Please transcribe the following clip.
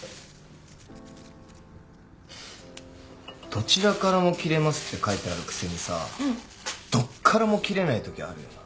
「どちらからも切れます」って書いてあるくせにさどこからも切れない時あるよな。